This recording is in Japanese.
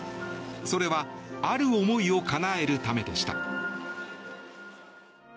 それはある思いをかなえるためでした。